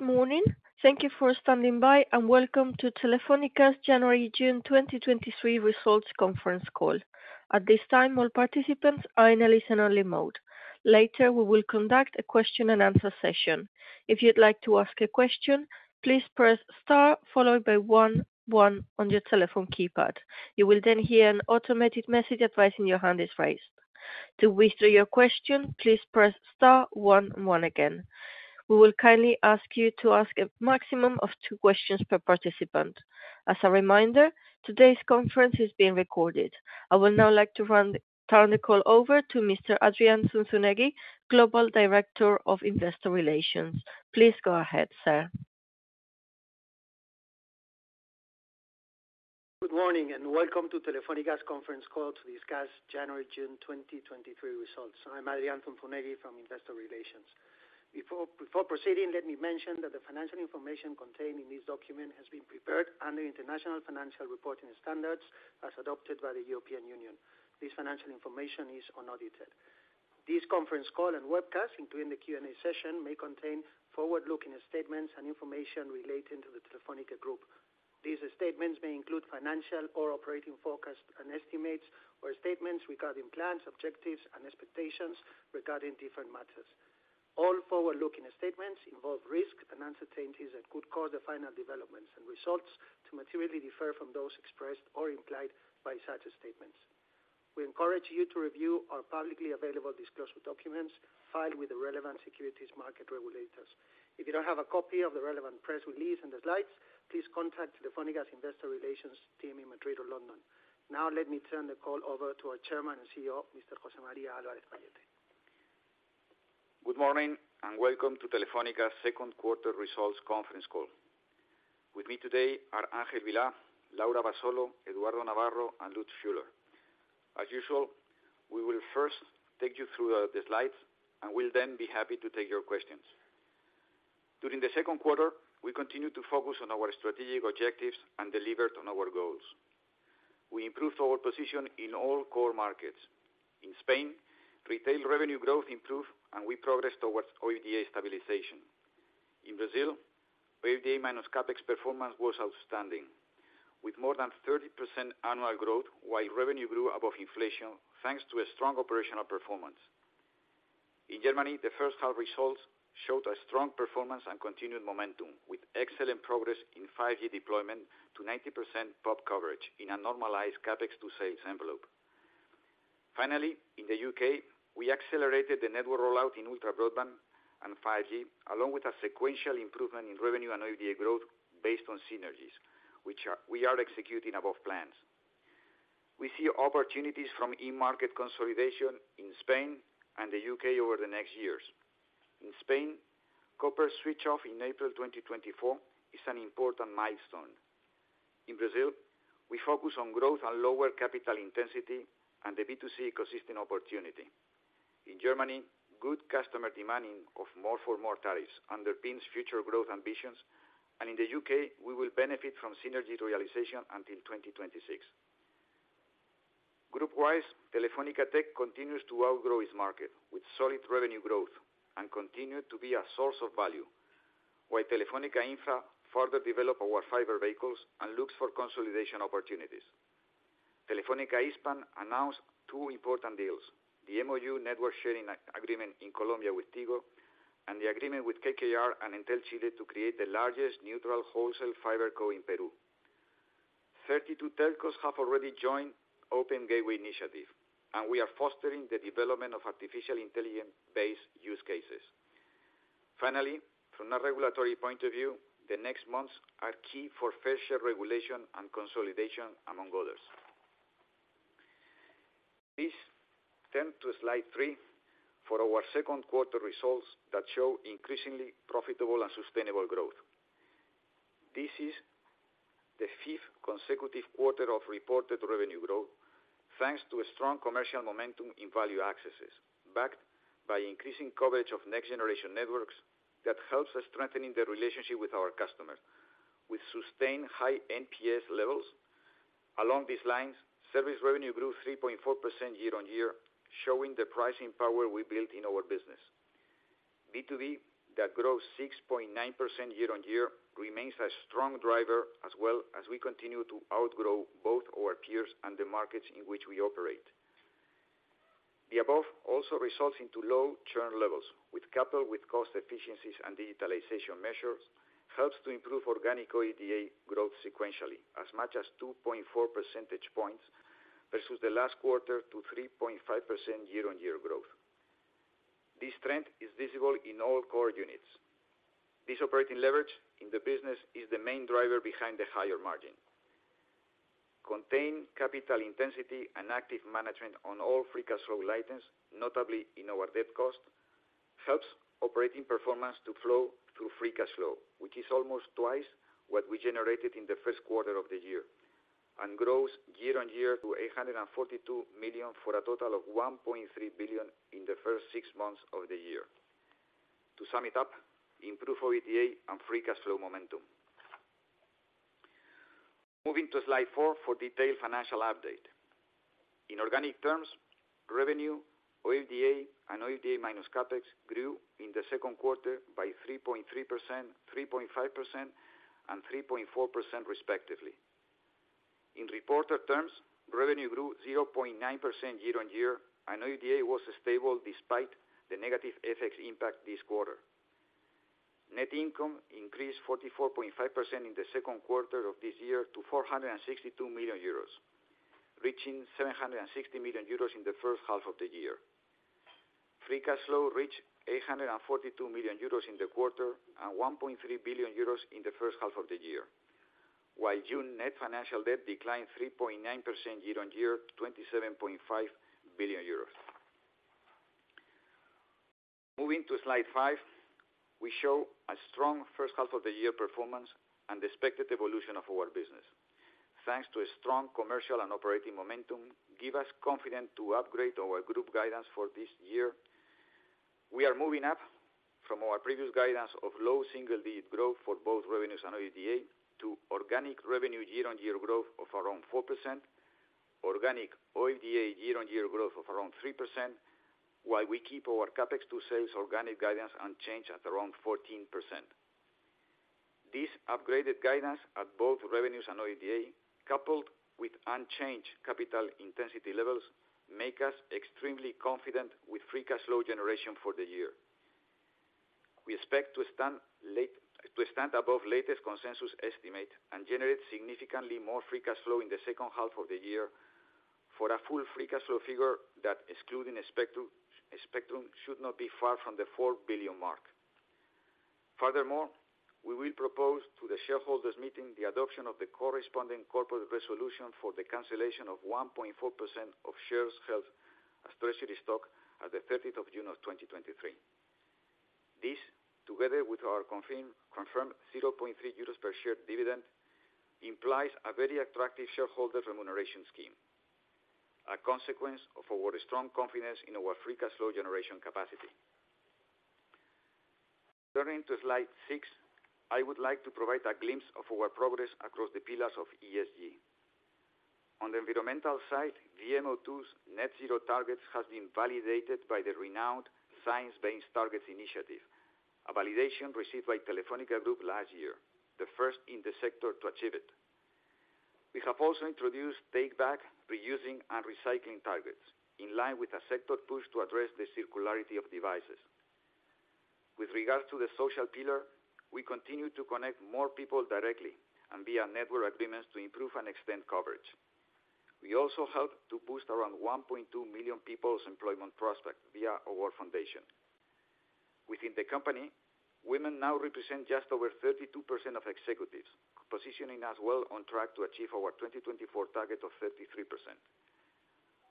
Good morning. Thank you for standing by, and welcome to Telefónica's January-June 2023 results conference call. At this time, all participants are in a listen-only mode. Later, we will conduct a question-and-answer session. If you'd like to ask a question, please press star followed by one, one on your telephone keypad. You will then hear an automated message advising your hand is raised. To withdraw your question, please press star one, one again. We will kindly ask you to ask a maximum of two questions per participant. As a reminder, today's conference is being recorded. I would now like to turn the call over to Mr. Adrián Zunzunegui, Global Director of Investor Relations. Please go ahead, sir. Good morning, welcome to Telefónica's conference call to discuss January-June 2023 results. I'm Adrián Zunzunegui from investor relations. Before proceeding, let me mention that the financial information contained in this document has been prepared under International Financial Reporting Standards, as adopted by the European Union. This financial information is unaudited. This conference call and webcast, including the Q&A session, may contain forward-looking statements and information relating to the Telefónica Group. These statements may include financial or operating forecasts and estimates or statements regarding plans, objectives, and expectations regarding different matters. All forward-looking statements involve risks and uncertainties that could cause the final developments and results to materially differ from those expressed or implied by such statements. We encourage you to review our publicly available disclosure documents filed with the relevant securities market regulators. If you don't have a copy of the relevant press release and the slides, please contact Telefónica's investor relations team in Madrid or London. Let me turn the call over to our Chairman and CEO, Mr. José María Álvarez-Pallete. Good morning, welcome to Telefónica's second quarter results conference call. With me today are Ángel Vilá, Laura Abasolo, Eduardo Navarro, and Lutz Schüler. As usual, we will first take you through the slides, and we'll then be happy to take your questions. During the second quarter, we continued to focus on our strategic objectives and delivered on our goals. We improved our position in all core markets. In Spain, retail revenue growth improved, and we progressed towards OIBDA stabilization. In Brazil, OIBDA minus CapEx performance was outstanding, with more than 30% annual growth. While revenue grew above inflation, thanks to a strong operational performance. In Germany, the first-half results showed a strong performance and continued momentum, with excellent progress in 5G deployment to 90% pop coverage in a normalized CapEx to sales envelope. Finally, in the U.K., we accelerated the network rollout in ultra broadband and 5G, along with a sequential improvement in revenue and OIBDA growth based on synergies, we are executing above plans. We see opportunities from e-market consolidation in Spain and the U.K. over the next years. In Spain, copper switch off in April 2024 is an important milestone. In Brazil, we focus on growth and lower capital intensity and the B2C ecosystem opportunity. In Germany, good customer demanding of more for more tariffs underpins future growth ambitions In the U.K., we will benefit from synergy realization until 2026. Group-wise, Telefónica Tech continues to outgrow its market with solid revenue growth and continue to be a source of value, while Telefónica Infra further develop our Fiber vehicles and looks for consolidation opportunities. Telefónica HISPAM announced two important deals: the MOU network sharing agreement in Colombia with Tigo, and the agreement with KKR and Entel Chile to create the largest neutral wholesale Fiber Co. in Peru. 32 telcos have already joined Open Gateway initiative, and we are fostering the development of artificial intelligence-based use cases. Finally, from a regulatory point of view, the next months are key for Fair Share regulation and consolidation, among others. Please turn to slide three for our second quarter results that show increasingly profitable and sustainable growth. This is the fifth consecutive quarter of reported revenue growth, thanks to a strong commercial momentum in value accesses, backed by increasing coverage of next-generation networks that helps us strengthening the relationship with our customers. With sustained high NPS levels, along these lines, service revenue grew 3.4% year-on-year, showing the pricing power we built in our business. B2B, that grows 6.9% year-on-year, remains a strong driver as well as we continue to outgrow both our peers and the markets in which we operate. The above also results into low churn levels, coupled with cost efficiencies and digitalization measures, helps to improve organic OIBDA growth sequentially, as much as 2.4 percentage points versus the last quarter to 3.5% year-on-year growth. This trend is visible in all core units. This operating leverage in the business is the main driver behind the higher margin. Contained capital intensity and active management on all free cash flow items, notably in our debt cost, helps operating performance to flow through free cash flow, which is almost twice what we generated in the first quarter of the year, and grows year-on-year to 842 million, for a total of 1.3 billion in the first six months of the year. To sum it up, improved OIBDA and free cash flow momentum. Moving to slide four for detailed financial update. In organic terms, revenue, OIBDA, and OIBDA minus CapEx grew in the second quarter by 3.3%, 3.5%, and 3.4% respectively. In reported terms, revenue grew 0.9% year-on-year, and OIBDA was stable despite the negative FX impact this quarter. Net income increased 44.5% in the second quarter of this year to 462 million euros, reaching 760 million euros in the first half of the year. Free cash flow reached 842 million euros in the quarter, and 1.3 billion euros in the first half of the year, while June net financial debt declined 3.9% year-on-year to EUR 27.5 billion. Moving to slide five, we show a strong first half of the year performance and the expected evolution of our business. Thanks to a strong commercial and operating momentum, give us confidence to upgrade our group guidance for this year. We are moving up from our previous guidance of low single-digit growth for both revenues and OIBDA to organic revenue year-on-year growth of around 4%, organic OIBDA year-on-year growth of around 3%, while we keep our CapEx to sales organic guidance unchanged at around 14%. This upgraded guidance at both revenues and OIBDA, coupled with unchanged capital intensity levels, make us extremely confident with free cash flow generation for the year. We expect to stand above latest consensus estimate and generate significantly more free cash flow in the second half of the year for a full free cash flow figure that, excluding spectrum, should not be far from the 4 billion mark. We will propose to the shareholders meeting the adoption of the corresponding corporate resolution for the cancellation of 1.4% of shares held as treasury stock at the 13th of June 2023. This, together with our confirmed 0.3 euros per share dividend, implies a very attractive shareholder remuneration scheme, a consequence of our strong confidence in our free cash flow generation capacity. Turning to slide six, I would like to provide a glimpse of our progress across the pillars of ESG. On the environmental side, VMO2's net zero targets has been validated by the renowned science-based targets initiative, a validation received by Telefónica Group last year, the first in the sector to achieve it. We have also introduced takeback, reusing, and recycling targets in line with a sector push to address the circularity of devices. With regard to the social pillar, we continue to connect more people directly and via network agreements to improve and extend coverage. We also help to boost around 1.2 million people's employment prospect via our foundation. Within the company, women now represent just over 32% of executives, positioning us well on track to achieve our 2024 target of 33%.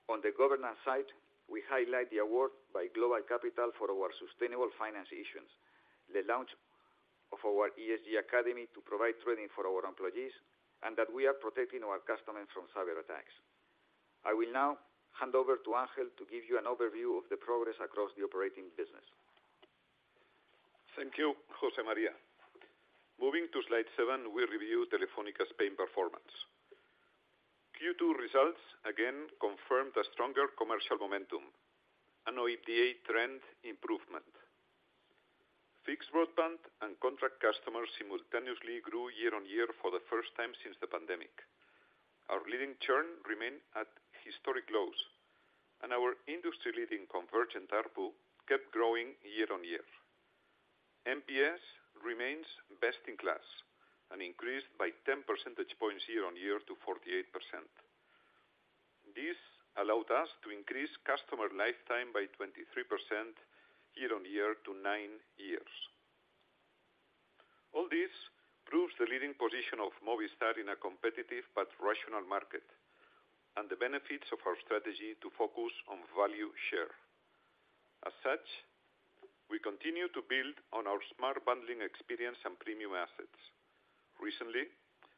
On the governance side, we highlight the award by GlobalCapital for our sustainable finance issues, the launch of our ESG Academy to provide training for our employees, and that we are protecting our customers from cyberattacks. I will now hand over to Ángel to give you an overview of the progress across the operating business. Thank you, José María. Moving to slide seven, we review Telefónica Spain performance. Q2 results again confirmed a stronger commercial momentum, an OIBDA trend improvement. Fixed broadband and contract customers simultaneously grew year-on-year for the first time since the pandemic. Our leading churn remained at historic lows, and our industry-leading convergent ARPU kept growing year-on-year. NPS remains best in class and increased by 10 percentage points year-on-year to 48%. This allowed us to increase customer lifetime by 23% year-on-year to nine` years. All this proves the leading position of Movistar in a competitive but rational market, and the benefits of our strategy to focus on value share. As such, we continue to build on our smart bundling experience and premium assets. Recently,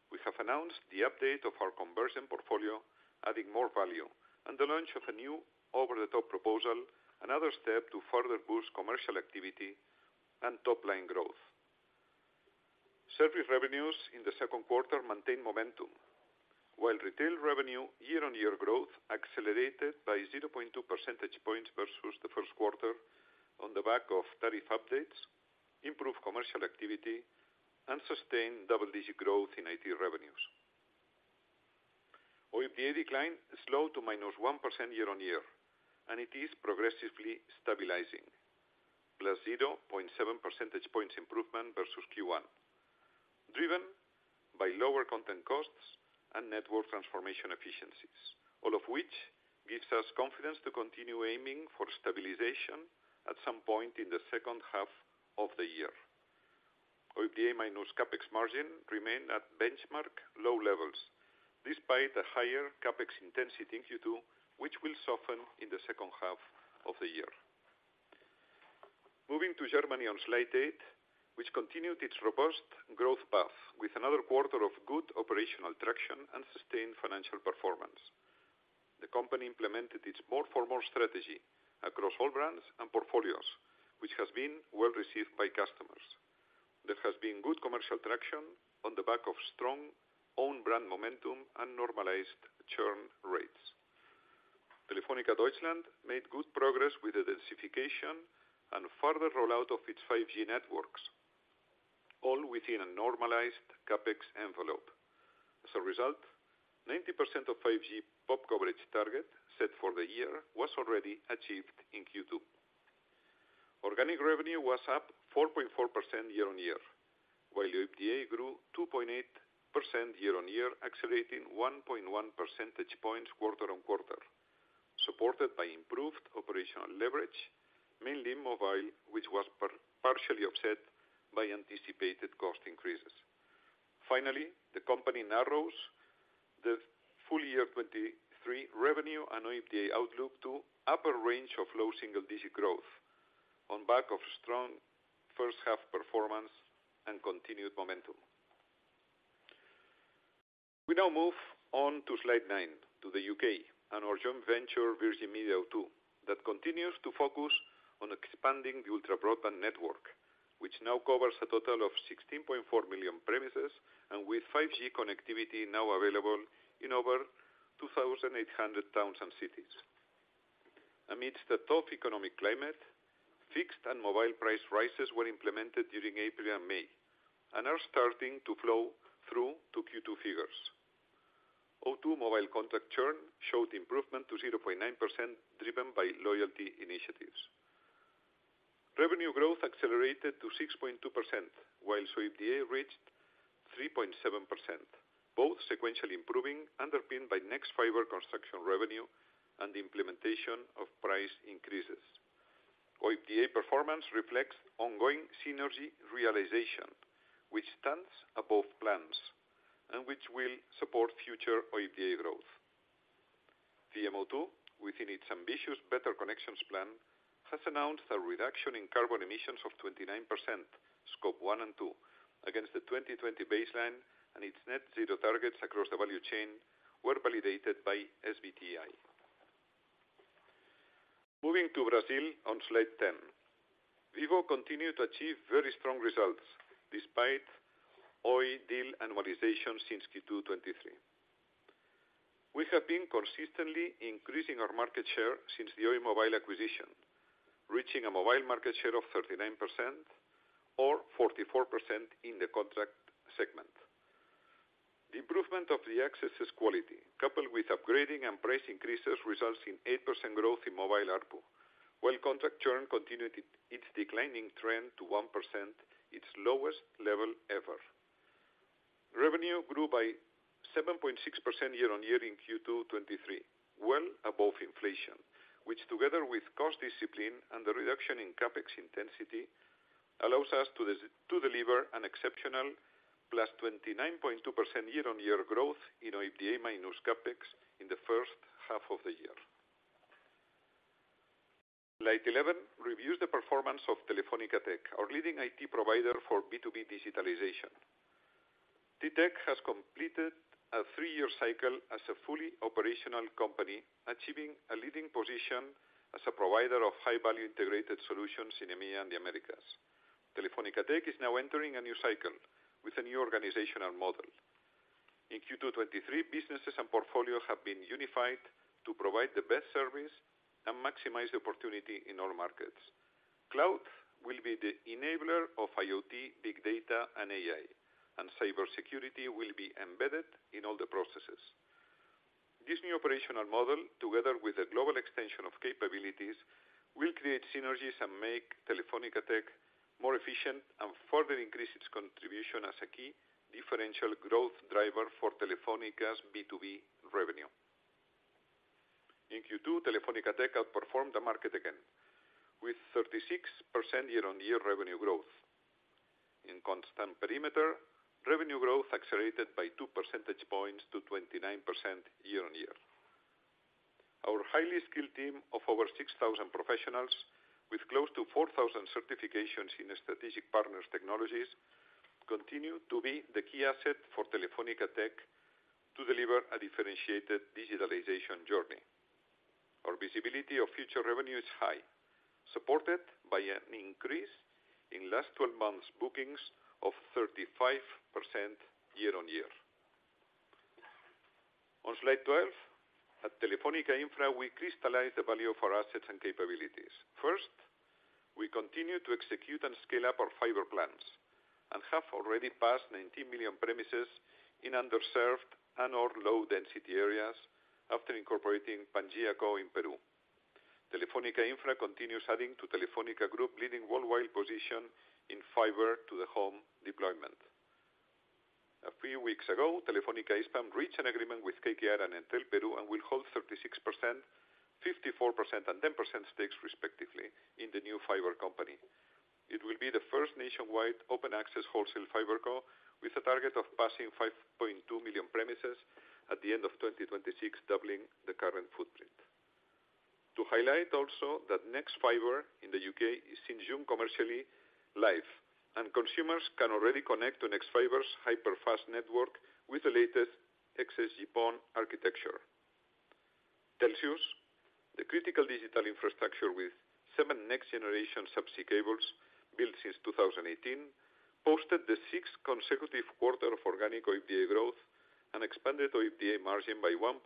we have announced the update of our conversion portfolio, adding more value and the launch of a new over-the-top proposal, another step to further boost commercial activity and top-line growth. Service revenues in the second quarter maintained momentum, while retail revenue year-on-year growth accelerated by 0.2 percentage points versus the first quarter on the back of tariff updates, improved commercial activity, and sustained double-digit growth in IT revenues. OIBDA decline slowed to -1% year-on-year, and it is progressively stabilizing, +0.7 percentage points improvement versus Q1, driven by lower content costs and network transformation efficiencies, all of which gives us confidence to continue aiming for stabilization at some point in the second half of the year. OIBDA minus CapEx margin remained at benchmark low levels, despite a higher CapEx intensity in Q2, which will soften in the second half of the year. Moving to Germany on slide eight, which continued its robust growth path with another quarter of good operational traction and sustained financial performance. The company implemented its more for more strategy across all brands and portfolios, which has been well-received by customers. There has been good commercial traction on the back of strong own brand momentum and normalized churn rates. Telefonica Deutschland made good progress with the densification and further rollout of its 5G networks, all within a normalized CapEx envelope. As a result, 90% of 5G pop coverage target set for the year was already achieved in Q2. Organic revenue was up 4.4% year-over-year, while OIBDA grew 2.8% year-over-year, accelerating 1.1 percentage points quarter-over-quarter, supported by improved operational leverage, mainly mobile, which was partially offset by anticipated cost increases. Finally, the company narrows the full year 2023 revenue and OIBDA outlook to upper range of low single digit growth on back of strong first half performance and continued momentum. We now move on to slide nine, to the U.K. and our joint venture, Virgin Media O2, that continues to focus on expanding the ultra broadband network, which now covers a total of 16.4 million premises, and with 5G connectivity now available in over 2,800 towns and cities. Amidst a tough economic climate, fixed and mobile price rises were implemented during April and May and are starting to flow through to Q2 figures. O2 mobile contract churn showed improvement to 0.9%, driven by loyalty initiatives. Revenue growth accelerated to 6.2%, while OIBDA reached 3.7%, both sequentially improving, underpinned by Nexfibre construction revenue and the implementation of price increases. OIBDA performance reflects ongoing synergy realization, which stands above plans and which will support future OIBDA growth. VMO2, within its ambitious Better Connections Plan, has announced a reduction in carbon emissions of 29%, Scope one and two, against the 2020 baseline, and its net zero targets across the value chain were validated by SBTi. Moving to Brazil on slide 10. Vivo continued to achieve very strong results despite Oi deal annualization since Q2 2023. We have been consistently increasing our market share since the Oi mobile acquisition, reaching a mobile market share of 39% or 44% in the contract segment. The improvement of the access's quality, coupled with upgrading and price increases, results in 8% growth in mobile ARPU, while contract churn continued its declining trend to 1%, its lowest level ever. Revenue grew by 7.6% year-on-year in Q2 2023, well above inflation, which, together with cost discipline and the reduction in CapEx intensity, allows us to deliver an exceptional +29.2% year-on-year growth in OIBDA minus CapEx in the first half of the year. Slide 11 reviews the performance of Telefónica Tech, our leading IT provider for B2B digitalization. T-Tech has completed a three-year cycle as a fully operational company, achieving a leading position as a provider of high-value integrated solutions in EMEA and the Americas. Telefónica Tech is now entering a new cycle with a new organizational model. In Q2 2023, businesses and portfolios have been unified to provide the best service and maximize the opportunity in all markets. Cloud will be the enabler of IoT, Big Data, and AI, and cyber security will be embedded in all the processes. This new operational model, together with the global extension of capabilities, will create synergies and make Telefónica Tech more efficient and further increase its contribution as a key differential growth driver for Telefónica's B2B revenue. In Q2, Telefónica Tech outperformed the market again with 36% year-on-year revenue growth. In constant perimeter, revenue growth accelerated by 2 percentage points to 29% year-on-year. Our highly skilled team of over 6,000 professionals, with close to 4,000 certifications in strategic partners' technologies, continue to be the key asset for Telefónica Tech to deliver a differentiated digitalization journey. Our visibility of future revenue is high, supported by an increase in last 12 months' bookings of 35% year-on-year. On slide 12, at Telefónica Infra, we crystallize the value of our assets and capabilities. First, we continue to execute and scale up our Fiber plans and have already passed 19 million premises in underserved and/or low-density areas after incorporating PangeaCo in Peru. Telefónica Infra continues adding to Telefónica Group leading worldwide position in Fiber-to-the-home deployment. A few weeks ago, Telefónica HISPAM reached an agreement with KKR and Entel Perú and will hold 36%, 54%, and 10% stakes, respectively, in the new Fiber company. It will be the first nationwide open-access wholesale Fiber Co., with a target of passing 5.2 million premises at the end of 2026, doubling the current footprint. To highlight also that Nexfibre in the U.K. is since June commercially live, and consumers can already connect to Nexfibre's hyperfast network with the latest XGS-PON architecture. Telxius, the critical digital infrastructure with seven next-generation subsea cables built since 2018, posted the sixth consecutive quarter of organic OIBDA growth and expanded OIBDA margin by 1.7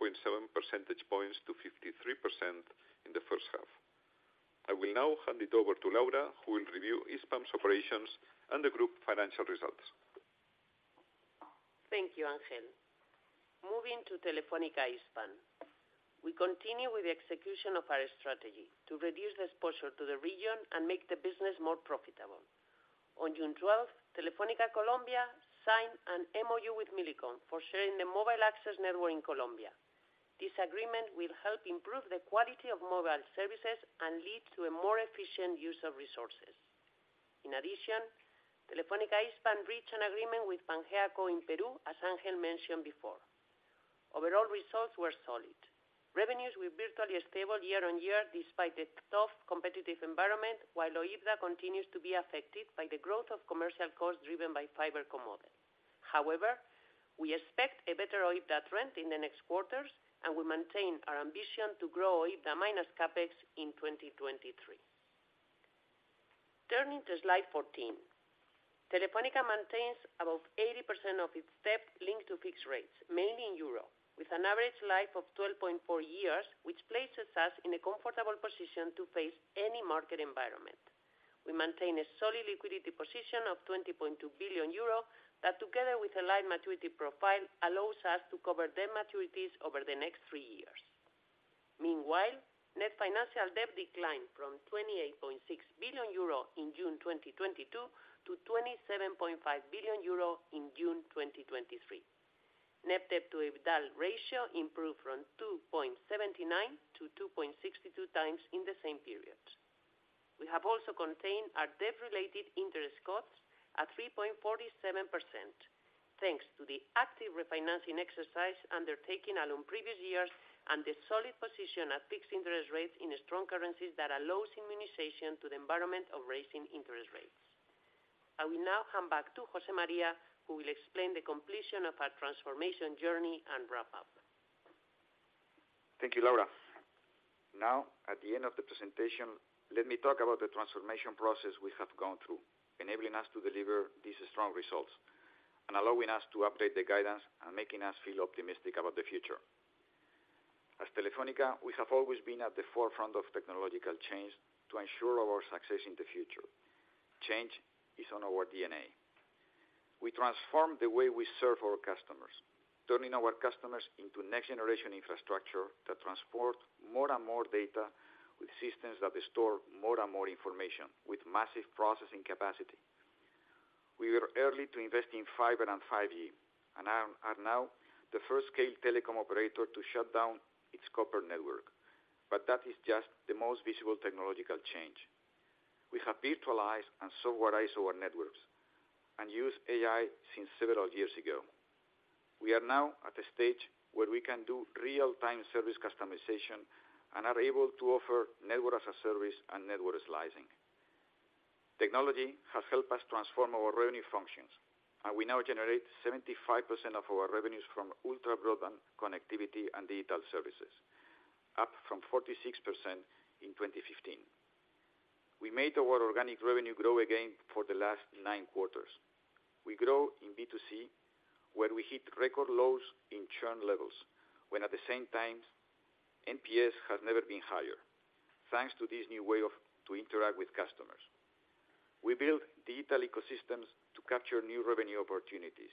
percentage points to 53% in the first half. I will now hand it over to Laura, who will review HISPAM's operations and the Group financial results. Thank you, Ángel. Moving to Telefónica HISPAM. We continue with the execution of our strategy to reduce the exposure to the region and make the business more profitable. On June 12th, Telefónica Colombia signed an MOU with Millicom for sharing the mobile access network in Colombia. This agreement will help improve the quality of mobile services and lead to a more efficient use of resources. Telefónica HISPAM reached an agreement with PangeaCo in Peru, as Ángel mentioned before. Overall results were solid. Revenues were virtually stable year-on-year, despite the tough competitive environment, while OIBDA continues to be affected by the growth of commercial costs driven by Fiber commodity. We expect a better OIBDA trend in the next quarters, and we maintain our ambition to grow OIBDA minus CapEx in 2023. Turning to slide 14. Telefónica maintains above 80% of its debt linked to fixed-rates, mainly in Euro, with an average life of 12.4 years, which places us in a comfortable position to face any market environment. We maintain a solid liquidity position of 20.2 billion euro, that, together with a light maturity profile, allows us to cover debt maturities over the next three years. Net financial debt declined from 28.6 billion euro in June 2022 to 27.5 billion euro in June 2023. Net debt to EBITDA ratio improved from 2.79-2.62 times in the same period. We have also contained our debt-related interest costs at 3.47%, thanks to the active refinancing exercise undertaken along previous years and the solid position at fixed interest rates in strong currencies that allows immunization to the environment of raising interest rates. I will now hand back to José María, who will explain the completion of our transformation journey and wrap up. Thank you, Laura. At the end of the presentation, let me talk about the transformation process we have gone through, enabling us to deliver these strong results and allowing us to update the guidance and making us feel optimistic about the future. As Telefónica, we have always been at the forefront of technological change to ensure our success in the future. Change is on our DNA. We transform the way we serve our customers, turning our customers into next-generation infrastructure that transport more and more data with systems that store more and more information with massive processing capacity. We were early to invest in Fiber and 5G, and are now the first scale telecom operator to shut down its copper network, that is just the most visible technological change. We have virtualized and softwarized our networks and used AI since several years ago. We are now at a stage where we can do real-time service customization and are able to offer Network-as-a-Service and network-slicing. Technology has helped us transform our revenue functions, and we now generate 75% of our revenues from ultra broadband connectivity and digital services, up from 46% in 2015. We made our organic revenue grow again for the last nine quarters. We grow in B2C, where we hit record lows in churn levels, when at the same time, NPS has never been higher, thanks to this new way to interact with customers. We build digital ecosystems to capture new revenue opportunities.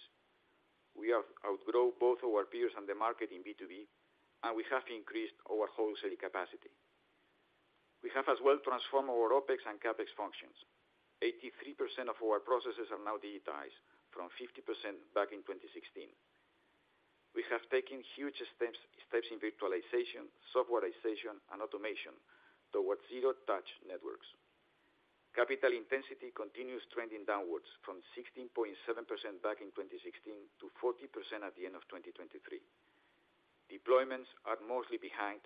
We have outgrown both our peers and the market in B2B, and we have increased our wholesale capacity. We have as well transformed our OpEx and CapEx functions. 83% of our processes are now digitized from 50% back in 2016. We have taken huge steps in virtualization, softwarization, and automation towards zero-touch networks. Capital intensity continues trending downwards from 16.7% back in 2016 to 40% at the end of 2023. Deployments are mostly behind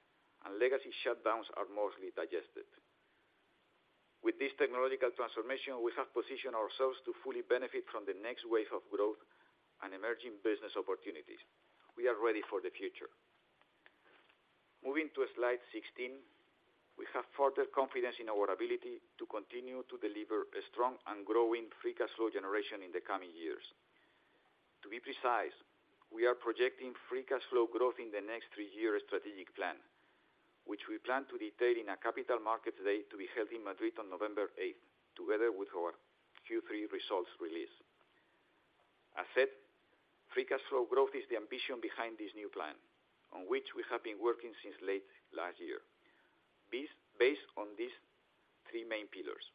and legacy shutdowns are mostly digested. With this technological transformation, we have positioned ourselves to fully benefit from the next wave of growth and emerging business opportunities. We are ready for the future. Moving to slide 16, we have further confidence in our ability to continue to deliver a strong and growing free cash flow generation in the coming years. To be precise, we are projecting free cash flow growth in the next three-year strategic plan, which we plan to detail in a Capital Markets Day to be held in Madrid on November 8th, together with our Q3 results release. As said, free cash flow growth is the ambition behind this new plan, on which we have been working since late last year. Based on these three main pillars: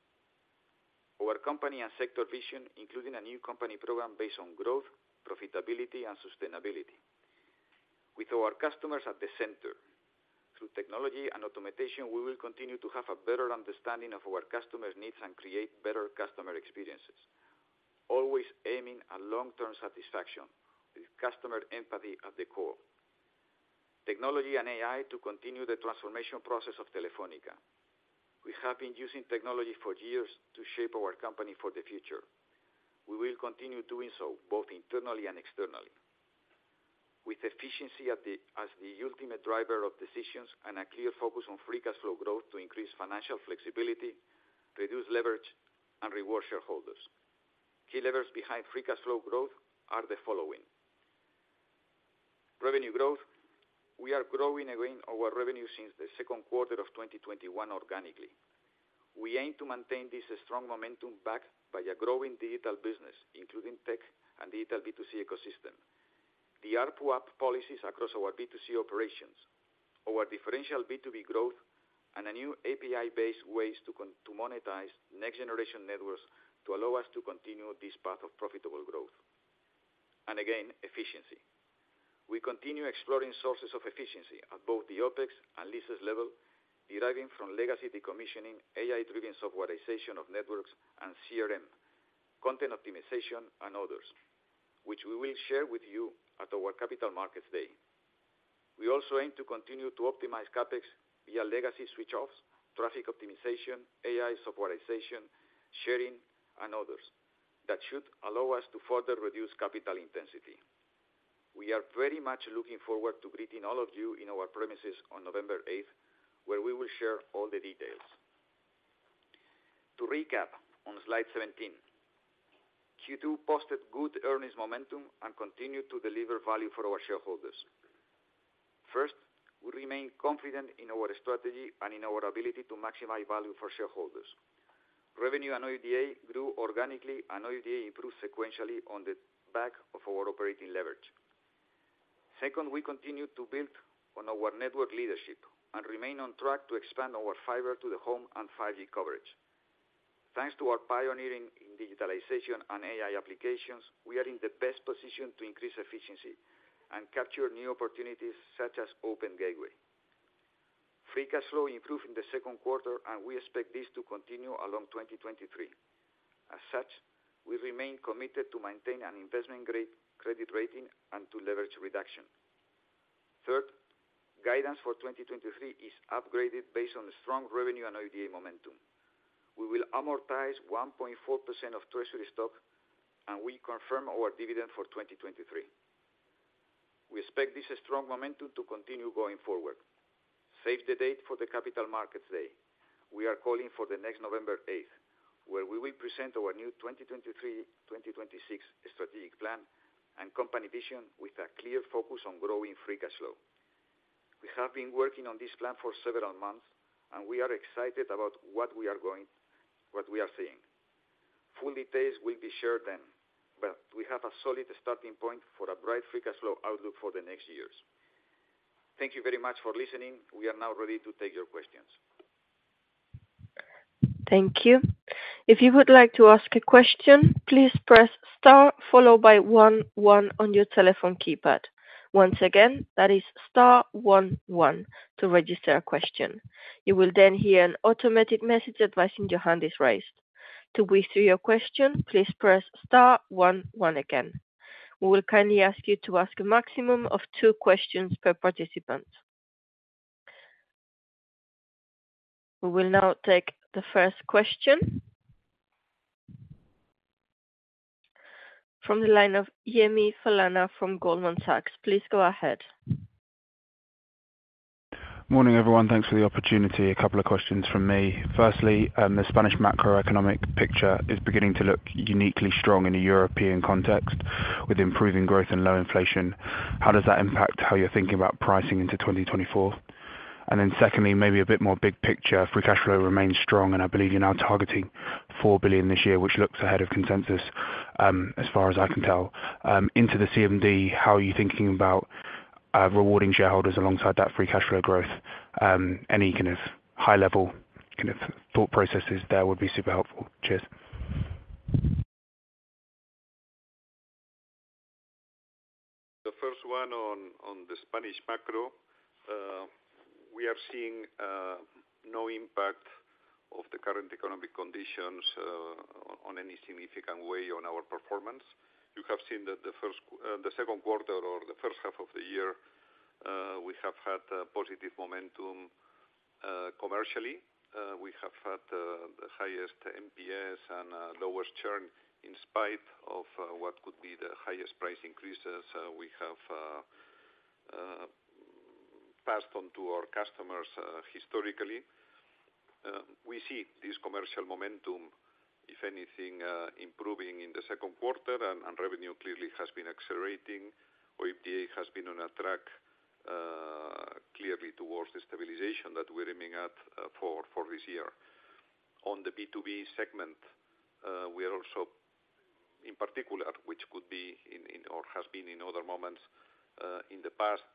Our company and sector vision, including a new company program based on growth, profitability, and sustainability. With our customers at the center, through technology and automation, we will continue to have a better understanding of our customers' needs and create better customer experiences, always aiming at long-term satisfaction with customer empathy at the core. Technology and AI to continue the transformation process of Telefónica. We have been using technology for years to shape our company for the future. We will continue doing so, both internally and externally, with efficiency at the, as the ultimate driver of decisions and a clear focus on free cash flow growth to increase financial flexibility, reduce leverage, and reward shareholders. Key levers behind free cash flow growth are the following: revenue growth. We are growing again our revenue since the 2Q 2021 organically. We aim to maintain this strong momentum back by a growing digital business, including tech and digital B2C ecosystem. The ARPU up policies across our B2C operations, our differential B2B growth, and a new API-based ways to monetize next generation networks to allow us to continue this path of profitable growth — again, efficiency. We continue exploring sources of efficiency at both the OpEx and leases level, deriving from legacy decommissioning, AI-driven softwarization of networks and CRM, content optimization, and others, which we will share with you at our Capital Markets Day. We also aim to continue to optimize CapEx via legacy switch-offs, traffic optimization, AI softwarization, sharing, and others, that should allow us to further reduce capital intensity. We are very much looking forward to greeting all of you in our premises on November 8th, where we will share all the details. To recap, on Slide 17, Q2 posted good earnings momentum and continued to deliver value for our shareholders. First, we remain confident in our strategy and in our ability to maximize value for shareholders. Revenue and OIBDA grew organically, and OIBDA improved sequentially on the back of our operating leverage. Second, we continue to build on our network leadership and remain on track to expand our Fiber-to-the-home and 5G coverage. Thanks to our pioneering in digitalization and AI applications, we are in the best position to increase efficiency and capture new opportunities, such as Open Gateway. Free cash flow improved in the second quarter. We expect this to continue along 2023. As such, we remain committed to maintain an investment-grade credit rating and to leverage reduction. Third, guidance for 2023 is upgraded based on the strong revenue and OIBDA momentum. We will amortize 1.4% of treasury stock. We confirm our dividend for 2023. We expect this strong momentum to continue going forward. Save the date for the Capital Markets Day. We are calling for the next November 8th, where we will present our new 2023-2026 strategic plan and company vision with a clear focus on growing free cash flow. We have been working on this plan for several months, and we are excited about what we are seeing. Full details will be shared then, but we have a solid starting point for a bright free cash flow outlook for the next years. Thank you very much for listening. We are now ready to take your questions. Thank you. If you would like to ask a question, please press star, followed by one on your telephone keypad. Once again, that is star one to register a question. You will then hear an automatic message advising your hand is raised. To withdraw your question, please press star one again. We will kindly ask you to ask a maximum of two questions per participant. We will now take the first question. From the line of Yemi Falana from Goldman Sachs, please go ahead. Morning, everyone. Thanks for the opportunity. A couple of questions from me. Firstly, the Spanish macroeconomic picture is beginning to look uniquely strong in a European context with improving growth and low inflation. How does that impact how you're thinking about pricing into 2024? Secondly, maybe a bit more big picture. Free cash flow remains strong, and I believe you're now targeting 4 billion this year, which looks ahead of consensus, as far as I can tell. Into the CMD, how are you thinking about rewarding shareholders alongside that free cash flow growth? Any kind of high-level kind of thought processes there would be super helpful. Cheers. The first one on the Spanish macro, we are seeing no impact of the current economic conditions on any significant way on our performance. You have seen that the first, the second quarter or the first half of the year, we have had positive momentum, commercially. We have had the highest NPS and lowest churn, in spite of what could be the highest price increases we have passed on to our customers, historically. We see this commercial momentum, if anything, improving in the second quarter, and revenue clearly has been accelerating, or EBITDA has been on a track clearly towards the stabilization that we're aiming at for this year. On the B2B segment, we are also, in particular, which could be in or has been in other moments, in the past,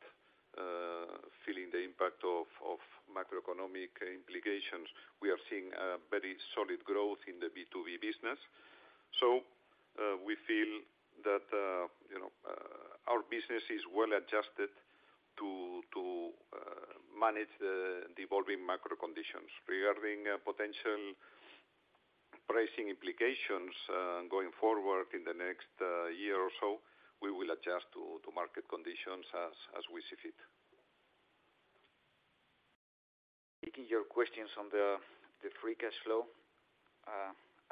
feeling the impact of macroeconomic implications. We are seeing very solid growth in the B2B business. We feel that our business is well adjusted to manage the evolving macro conditions. Regarding potential pricing implications, going forward in the next year or so, we will adjust to market conditions as we see fit. Taking your questions on the free cash flow.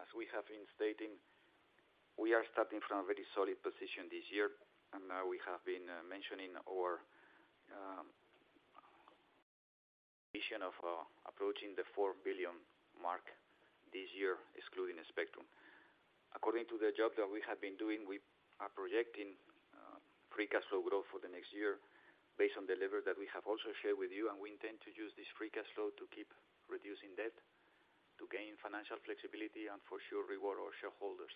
As we have been stating, we are starting from a very solid position this year, and we have been mentioning our vision of approaching the 4 billion mark this year, excluding the spectrum. According to the job that we have been doing, we are projecting free cash flow growth for the next year based on the level that we have also shared with you, and we intend to use this free cash flow to keep reducing debt, to gain financial flexibility, and for sure reward our shareholders.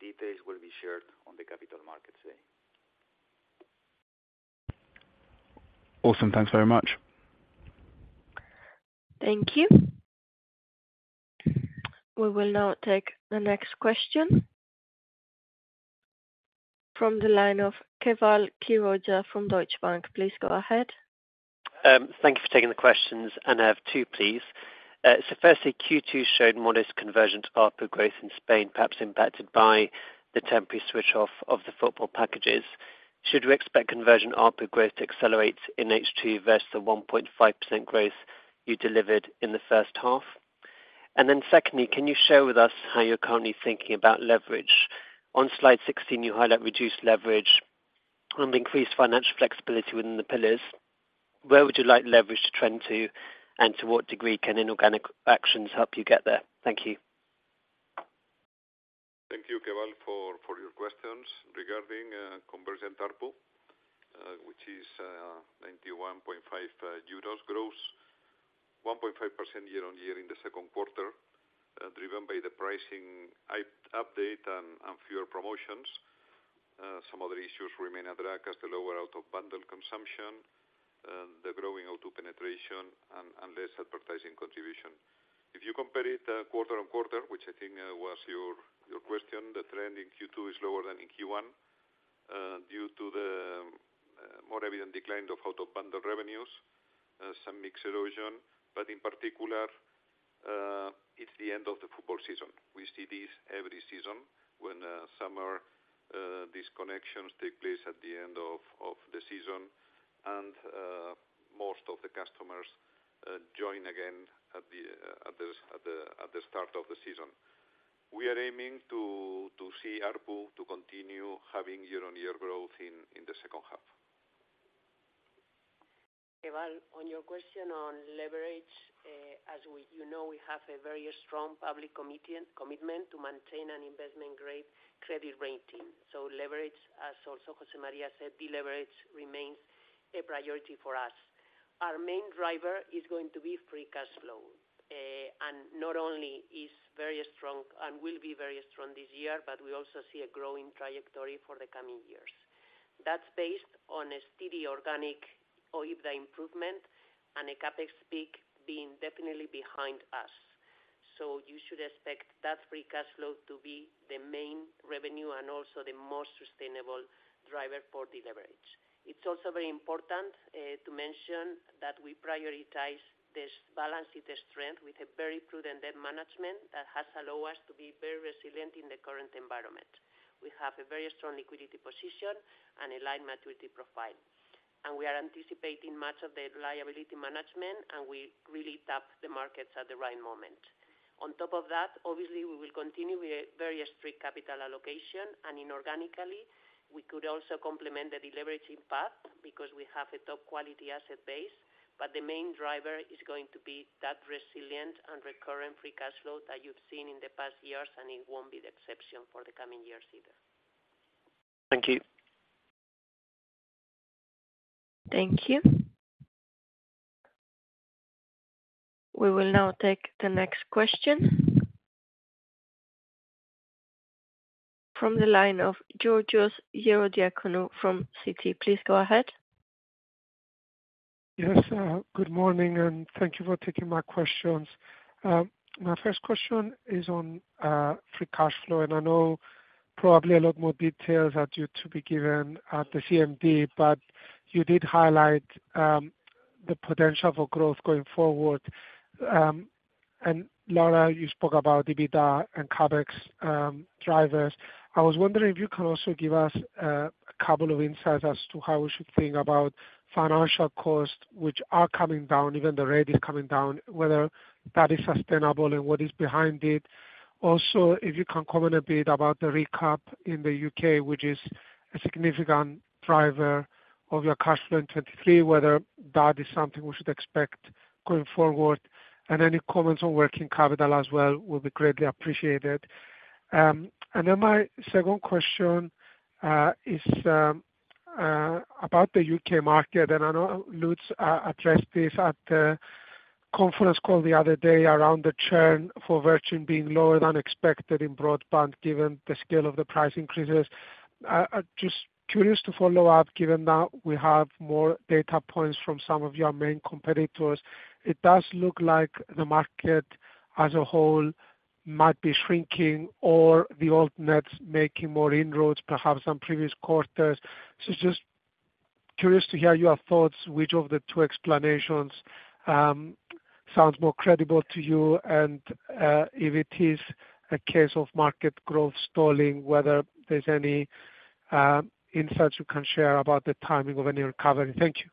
Details will be shared on the Capital Markets Day. Awesome. Thanks very much. Thank you. We will now take the next question from the line of Keval Khiroya from Deutsche Bank. Please go ahead. Thank you for taking the questions. And I have two, please. Firstly, Q2 showed modest conversion to ARPU growth in Spain, perhaps impacted by the temporary switch off of the football packages. Should we expect conversion ARPU growth to accelerate in H2 versus the 1.5% growth you delivered in the first half? Secondly, can you share with us how you're currently thinking about leverage? On slide 16, you highlight reduced leverage and increased financial flexibility within the pillars. Where would you like leverage to trend to, and to what degree can inorganic actions help you get there? Thank you. Thank you, Keval, for your questions. Regarding conversion ARPU, which is 91.5 euros growth, 1.5% year-on-year in the second quarter, driven by the pricing up-update and fewer promotions. Some other issues remain a drag as the lower out-of-bundle consumption, the growing O2 penetration and less advertising contribution. If you compare it quarter-on-quarter, which I think was your question, the trend in Q2 is lower than in Q1, due to the more evident decline of out-of-bundle revenues, some mix erosion, but in particular, it's the end of the football season. We see this every season when summer disconnections take place at the end of the season, and most of the customers join again at the start of the season. We are aiming to see ARPU to continue having year-on-year growth in the second half. Keval, on your question on leverage, as we, you know, we have a very strong public commitment to maintain an investment-grade credit rating. Leverage, as also José María said, de-leverage remains a priority for us. Our main driver is going to be free cash flow, and not only is very strong and will be very strong this year, but we also see a growing trajectory for the coming years. That's based on a steady organic OIBDA improvement and a CapEx peak being definitely behind us. You should expect that free cash flow to be the main revenue and also the most sustainable driver for de-leverage. It's also very important to mention that we prioritize this balance sheet, the strength with a very prudent debt management that has allowed us to be very resilient in the current environment. We have a very strong liquidity position and alignment with the profile, and we are anticipating much of the liability management, and we really tap the markets at the right moment. On top of that, obviously, we will continue with a very strict capital allocation, and inorganically, we could also complement the deleveraging path because we have a top quality asset base. The main driver is going to be that resilient and recurring free cash flow that you've seen in the past years, and it won't be the exception for the coming years either. Thank you. Thank you. We will now take the next question. From the line of Georgios Ierodiakonou from Citi. Please go ahead. Yes, good morning, and thank you for taking my questions. My first question is on free cash flow, and I know probably a lot more details are yet to be given at the CMD, but you did highlight the potential for growth going forward. Laura, you spoke about the EBITDA and CapEx drivers. I was wondering if you can also give us a couple of insights as to how we should think about financial costs, which are coming down, even the rate is coming down, whether that is sustainable and what is behind it. If you can comment a bit about the recap in the U.K., which is a significant driver of your cash flow in 2023, whether that is something we should expect going forward, and any comments on working capital as well will be greatly appreciated. My second question is about the U.K. market, I know Lutz addressed this at the conference call the other day around the churn for Virgin being lower than expected in broadband, given the scale of the price increases. I'd just curious to follow up, given that we have more data points from some of your main competitors, it does look like the market, as a whole, might be shrinking or the alt-nets making more inroads, perhaps on previous quarters. Just curious to hear your thoughts, which of the two explanations sounds more credible to you? If it is a case of market growth stalling, whether there's any insights you can share about the timing of any recovery. Thank you.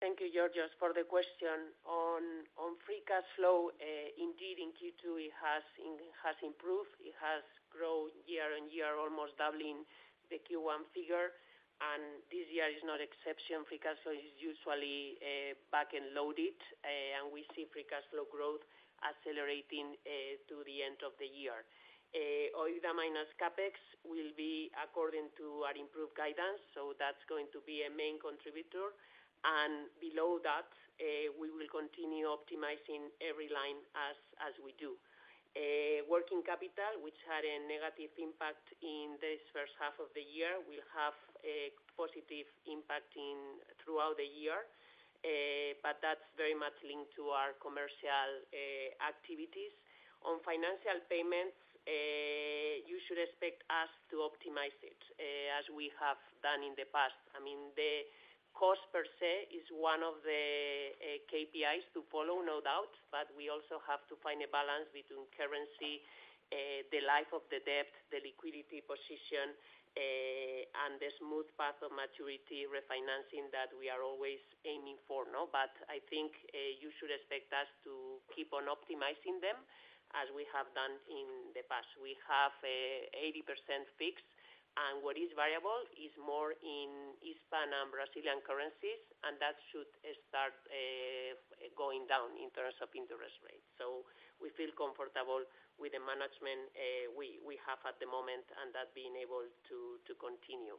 Thank you, Georgios, for the question. On free cash flow, indeed, in Q2, it has improved. It has grown year-on-year, almost doubling the Q1 figure, and this year is not exception. Free cash flow is usually back-end loaded, and we see free cash flow growth accelerating to the end of the year. OIBDA minus CapEx will be according to our improved guidance, so that's going to be a main contributor. Below that, we will continue optimizing every line as we do. Working capital, which had a negative impact in this first half of the year, will have a positive impact in throughout the year. That's very much linked to our commercial activities. On financial payments, you should expect us to optimize it as we have done in the past. I mean, the cost per se is one of the KPIs to follow, no doubt, but we also have to find a balance between currency, the life of the debt, the liquidity position, and the smooth path of maturity refinancing that we are always aiming for, no. I think you should expect us to keep on optimizing them, as we have done in the past. We have an 80% fixed, and what is variable is more in Hispanic and Brazilian currencies, and that should start going down in terms of interest rates. We feel comfortable with the management we have at the moment, and that being able to continue.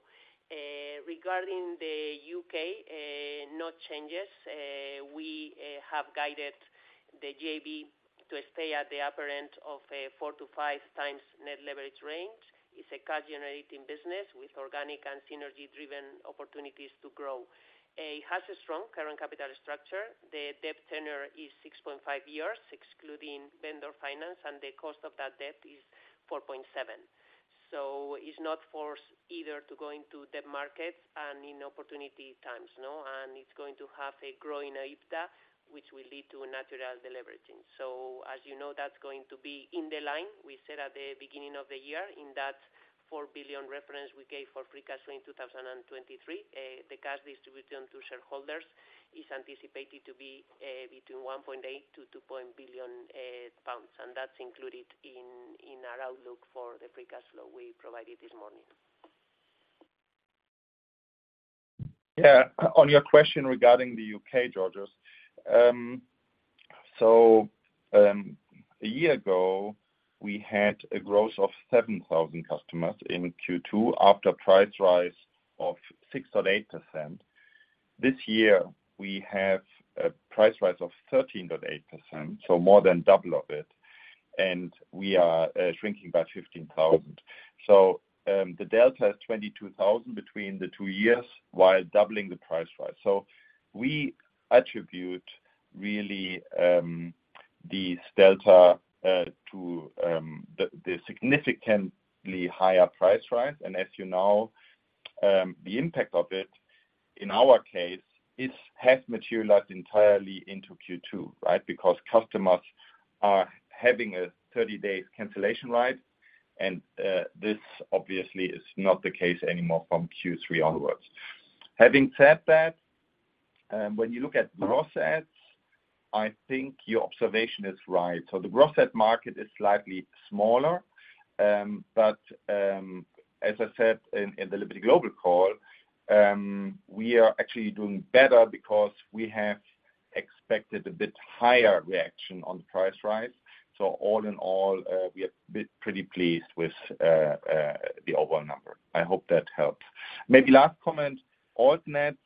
Regarding the U.K., no changes. We have guided the JV to stay at the upper end of a 4-5x net leverage range. It's a cash-generating business with organic and synergy-driven opportunities to grow. It has a strong current capital structure. The debt tenor is 6.5 years, excluding vendor finance, and the cost of that debt is 4.7%. It's not forced either to go into the markets and in opportunity times, no? It's going to have a growing EBITDA, which will lead to a natural deleveraging. As you know, that's going to be in the line we set at the beginning of the year. In that 4 billion reference we gave for free cash flow in 2023, the cash distribution to shareholders is anticipated to be between 1.8 billion-2 billion pounds, and that's included in our outlook for the free cash flow we provided this morning. Yeah. On your question regarding the UK, Georgios. A year ago, we had a growth of 7,000 customers in Q2 after price rise of 6.8%. This year, we have a price rise of 13.8%, so more than double of it, and we are shrinking by 15,000. The delta is 22,000 between the two years while doubling the price rise. As you know, the impact of it in our case, it has materialized entirely into Q2, right? Because customers are having a 30-day cancellation right, and this obviously is not the case anymore from Q3 onwards. Having said that, when you look at gross ads, I think your observation is right. The gross ad market is slightly smaller. As I said in the Liberty Global call, we are actually doing better because we have expected a bit higher reaction on the price rise. All in all, we are pretty pleased with the overall number. I hope that helps. Maybe last comment, alt-nets.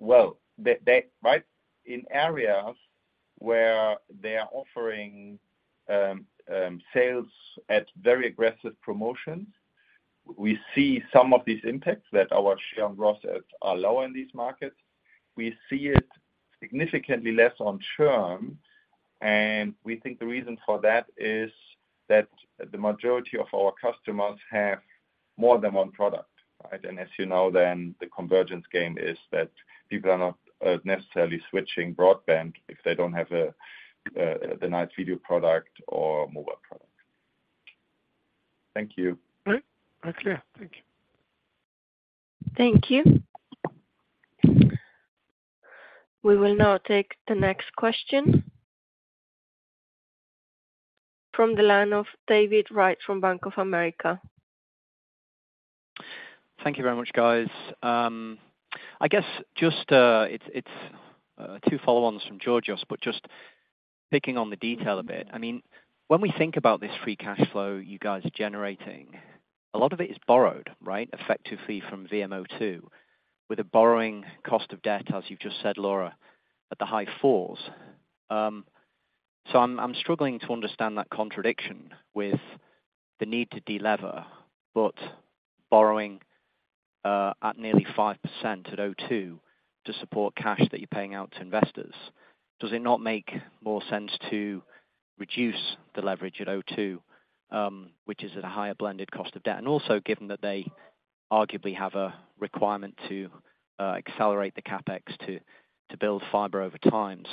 Right, in areas where they are offering sales at very aggressive promotions, we see some of these impacts that our share and gross ads are lower in these markets. We see it significantly less on term, and we think the reason for that is that the majority of our customers have more than one product, right? As you know, then the convergence game is that people are not necessarily switching broadband if they don't have a the nice video product or mobile product. Thank you. All right. Okay. Thank you. Thank you. We will now take the next question from the line of David Wright from Bank of America. Thank you very much, guys. I guess just it's two follow-ons from Georgios, but just picking on the detail a bit. I mean, when we think about this free cash flow you guys are generating, a lot of it is borrowed, right? Effectively from VMO2, with a borrowing cost of debt, as you've just said, Laura, at the high fours. I'm struggling to understand that contradiction with the need to de-lever, but borrowing at nearly 5% at O2 to support cash that you're paying out to investors. Does it not make more sense to reduce the leverage at O2, which is at a higher blended cost of debt? Also, given that they arguably have a requirement to accelerate the CapEx to build Fiber over time.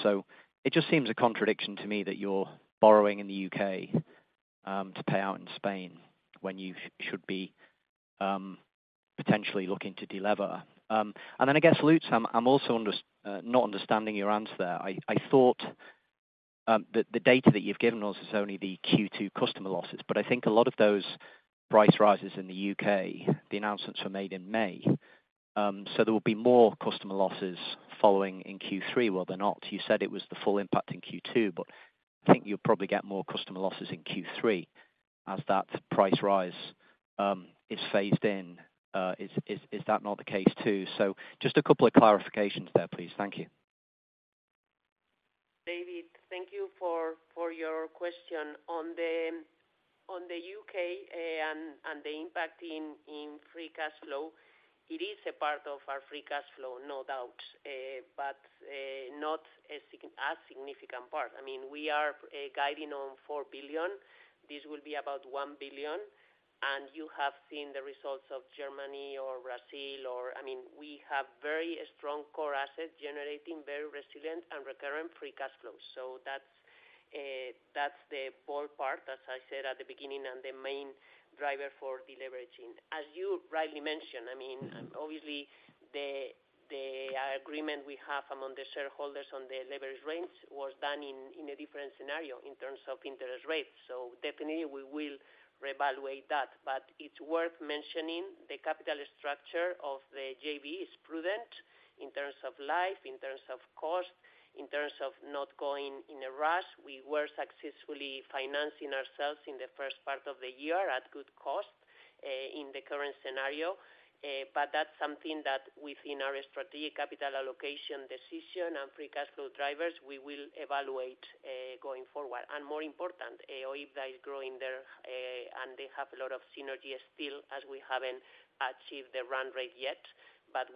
It just seems a contradiction to me that you're borrowing in the U.K. to pay out in Spain, when you should be potentially looking to de-lever. I guess, Lutz, I'm also not understanding your answer there. I thought that the data that you've given us is only the Q2 customer losses. I think a lot of those price rises in the U.K., the announcements were made in May. There will be more customer losses following in Q3, will there not? You said it was the full impact in Q2. I think you'll probably get more customer losses in Q3, as that price rise is phased in. Is that not the case, too? Just a couple of clarifications there, please. Thank you. David, thank you for your question. On the U.K. and the impact in free cash flow, it is a part of our free cash flow, no doubt. Not a significant part. I mean, we are guiding on 4 billion. This will be about 1 billion, and you have seen the results of Germany or Brazil, or... I mean, we have very strong core assets-generating very resilient and recurring free cash flows. That's the bold part, as I said at the beginning, and the main driver for deleveraging. As you rightly mentioned, I mean, obviously, the agreement we have among the shareholders on the leverage range was done in a different scenario in terms of interest rates, definitely we will reevaluate that. It's worth mentioning, the capital structure of the JV is prudent in terms of life, in terms of cost, in terms of not going in a rush. We were successfully financing ourselves in the first part of the year at good cost in the current scenario. That's something that within our strategic capital allocation decision and free cash flow drivers, we will evaluate going forward. More important, O2 is growing their and they have a lot of synergy still, as we haven't achieved the run rate yet.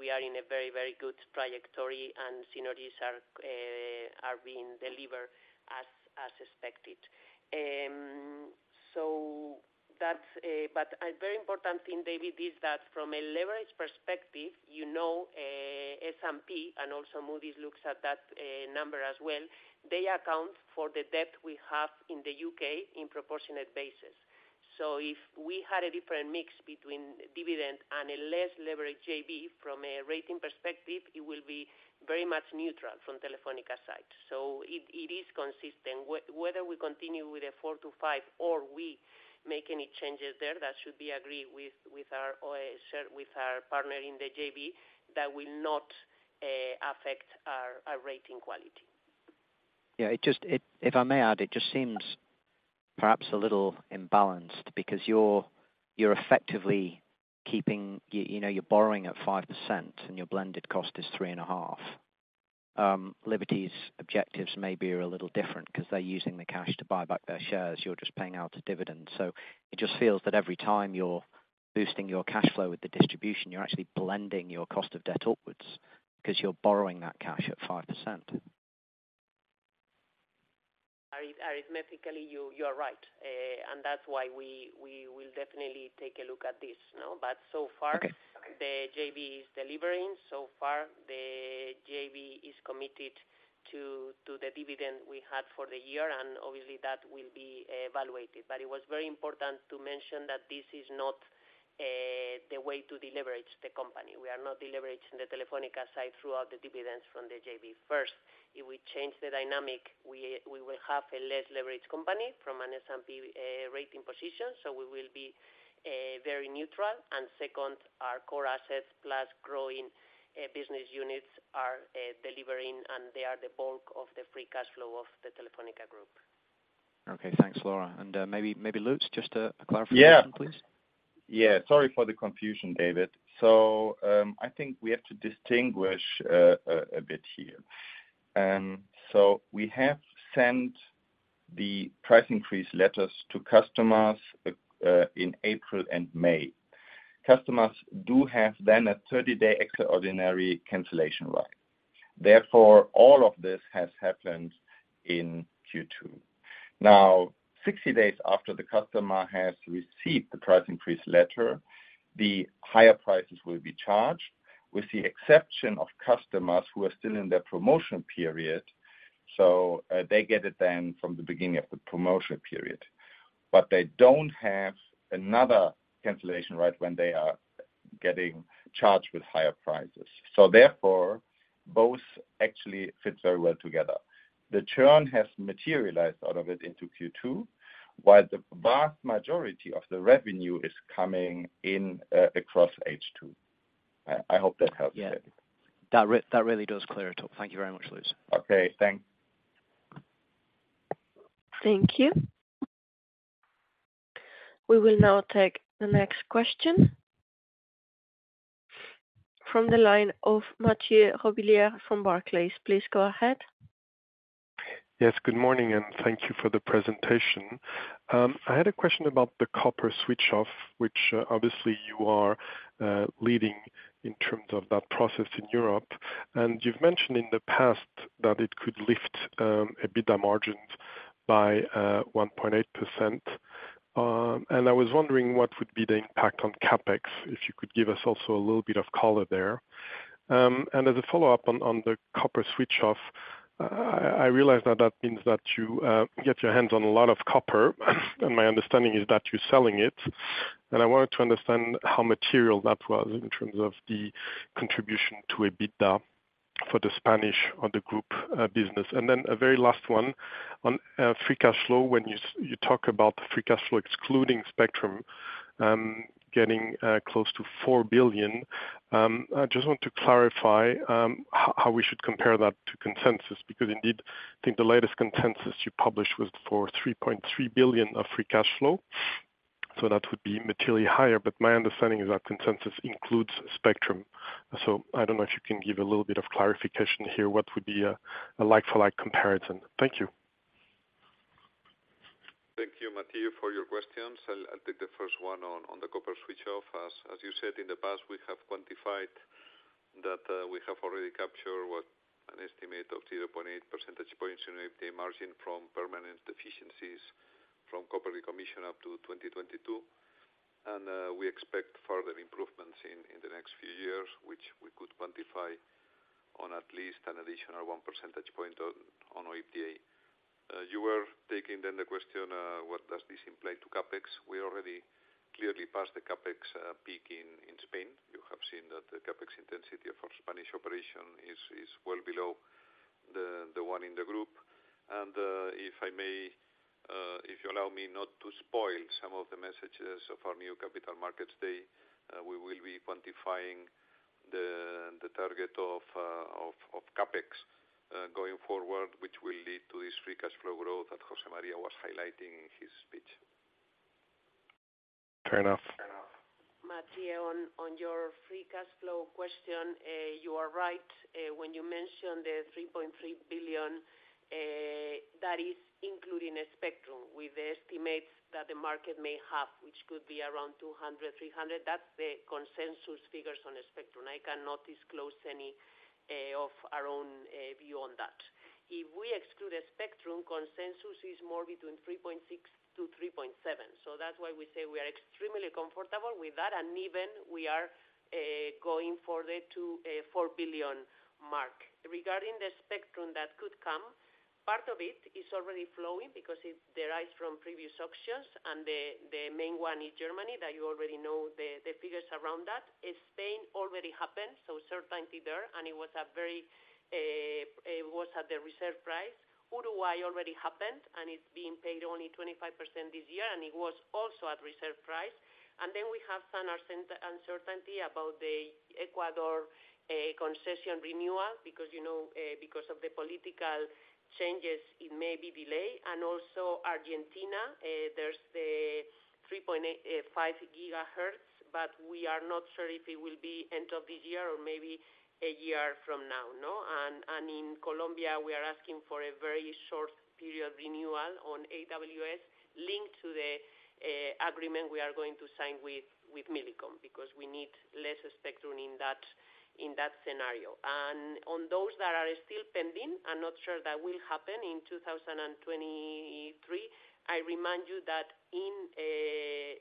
We are in a very, very good trajectory, and synergies are being delivered as expected. That's. A very important thing, David, is that from a leverage perspective, you know, S&P and also Moody's looks at that number as well. They account for the debt we have in the U.K. in proportionate basis. If we had a different mix between dividend and a less leveraged JV from a rating perspective, it will be very much neutral from Telefónica side. It is consistent. Whether we continue with a 4-5 or we make any changes there, that should be agreed with our, or share with our partner in the JV, that will not affect our rating quality. If I may add, it just seems perhaps a little imbalanced, because you're effectively keeping... you know, you're borrowing at 5%, your blended cost is 3.5%. Liberty's objectives may be a little different, 'cause they're using the cash to buy back their shares. You're just paying out a dividend. It just feels that every time you're boosting your cash flow with the distribution, you're actually blending your cost of debt upwards, 'cause you're borrowing that cash at 5%. Arithmetically, you are right. That's why we will definitely take a look at this, no? Okay. So far, the JV is de-levering. So far, the JV is committed to the dividend we had for the year. Obviously that will be evaluated. It was very important to mention that this is not the way to deleverage the company. We are not deleveraging the Telefónica side throughout the dividends from the JV. First, it will change the dynamic. We will have a less leveraged company from an S&P rating position, so we will be very neutral. Second, our core assets plus growing business units are delivering, and they are the bulk of the free cash flow of the Telefónica Group. Okay. Thanks, Laura. maybe, Lutz, just a clarification, please. Sorry for the confusion, David. I think we have to distinguish a bit here. We have sent the price increase letters to customers in April and May. Customers do have then a 30-day extraordinary cancellation right. Therefore, all of this has happened in Q2. Now, 60 days after the customer has received the price increase letter, the higher prices will be charged, with the exception of customers who are still in their promotion period, so they get it then from the beginning of the promotion period. They don't have another cancellation right when they are getting charged with higher prices. Therefore, both actually fit very well together. The churn has materialized out of it into Q2, while the vast majority of the revenue is coming in across H2. I hope that helps, David. Yeah. That really does clear it up. Thank you very much, Lutz. Okay, thanks. Thank you. We will now take the next question. From the line of Mathieu Robilliard from Barclays. Please go ahead. Yes, good morning, and thank you for the presentation. I had a question about the copper switch off, which, obviously you are leading in terms of that process in Europe. You've mentioned in the past that it could lift EBITDA margins by 1.8%. I was wondering what would be the impact on CapEx, if you could give us also a little bit of color there? As a follow-up on the copper switch off, I realize that means that you get your hands on a lot of copper, and my understanding is that you're selling it. I wanted to understand how material that was in terms of the contribution to EBITDA for the Spanish or the group business. A very last one, on free cash flow. When you talk about the free cash flow, excluding spectrum, getting close to 4 billion. I just want to clarify how we should compare that to consensus, because indeed, I think the latest consensus you published was for 3.3 billion of free cash flow. That would be materially higher, but my understanding is that consensus includes spectrum. I don't know if you can give a little bit of clarification here, what would be a like-for-like comparison? Thank you. Thank you, Mathieu, for your questions. I'll take the first one on the copper switch off. As you said, in the past, we have quantified that we have already captured what an estimate of 0.8 percentage points in EBITDA margin from permanent deficiencies from copper decommission up to 2022. We expect further improvements in the next few years, which we could quantify on at least an additional 1 percentage point on EBITDA. You were taking then the question, what does this imply to CapEx? We already clearly passed the CapEx peak in Spain. You have seen that the CapEx intensity of our Spanish operation is well below the one in the group. If I may, if you allow me not to spoil some of the messages of our new Capital Markets Day, we will be quantifying the target of CapEx going forward, which will lead to this free cash flow growth that José María was highlighting in his speech. Fair enough. Mathieu, on your free cash flow question, you are right, when you mention 3.3 billion, that is including a spectrum with the estimates that the market may have, which could be around 200 million, 300 million. That's the consensus figures on the spectrum. I cannot disclose any of our own view on that. If we exclude the spectrum, consensus is more between 3.6 billion-3.7 billion. That's why we say we are extremely comfortable with that, and even we are going further to a 4 billion mark. Regarding the spectrum that could come, part of it is already flowing because it derives from previous auctions and the main one in Germany that you already know the figures around that. In Spain already happened. Certainty there, it was at the reserve price. Uruguay already happened. It's being paid only 25% this year, and it was also at reserve price. We have some uncertainty about the Ecuador concession renewal, because, you know, because of the political changes, it may be delayed. Argentina, there's the 3.5 GHz. We are not sure if it will be end of this year or maybe a year from now. In Colombia, we are asking for a very short period renewal on AWS, linked to the agreement we are going to sign with Millicom, because we need less spectrum in that scenario. On those that are still pending, I'm not sure that will happen in 2023. I remind you that in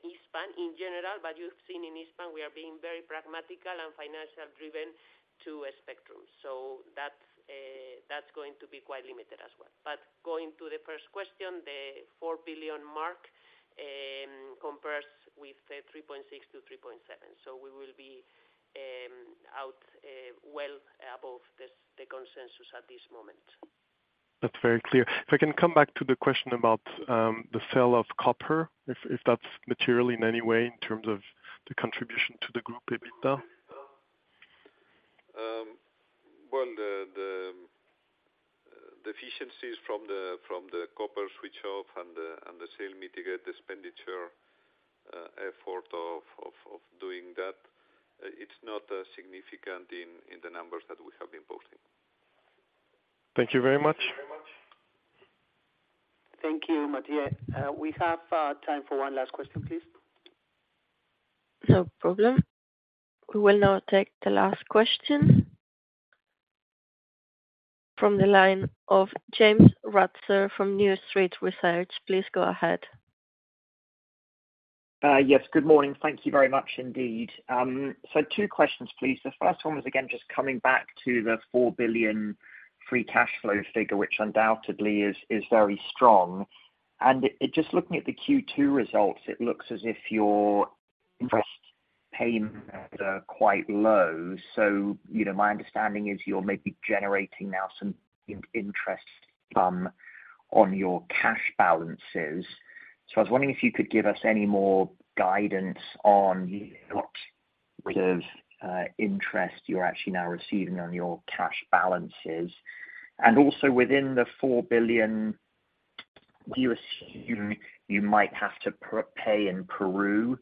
HISPAM, in general, but you've seen in HISPAM, we are being very pragmatical and financially driven to a spectrum. That's going to be quite limited as well. Going to the first question, the 4 billion mark compares with the 3.6-3.7. We will be out well above the consensus at this moment. That's very clear. If I can come back to the question about the sale of copper, if that's material in any way in terms of the contribution to the group EBITDA? Well, the efficiencies from the copper switch off and the sale mitigate the expenditure effort of doing that, it's not significant in the numbers that we have been posting. Thank you very much. Thank you, Mathieu. We have time for one last question, please. No problem. We will now take the last question from the line of James Ratzer from New Street Research. Please go ahead. Yes. Good morning. Thank you very much indeed. Two questions, please. The first one coming back to the 4 billion free cash flow figure, which undoubtedly is very strong. Looking at the Q2 results, it looks as if your interest payments are quite low. You know, my understanding is you're maybe generating now some interest on your cash balances. I was wondering if you could give us any more guidance on what sort of interest you're actually now receiving on your cash balances? Within the 4 billion, do you assume you might have to pay in Peru